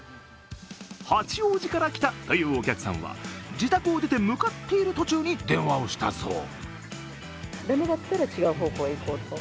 八王子から来たというお客さんは、自宅を出て向かっている途中に電話をしたそう。